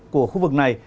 của khu vực này